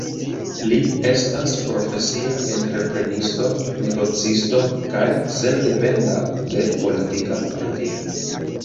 Li estas profesia entreprenisto, negocisto kaj sendependa de politika partio.